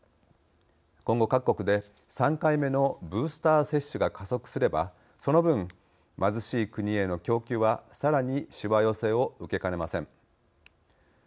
今後各国で３回目のブースター接種が加速すればその分貧しい国への供給はさらにしわ寄せを受けかねません。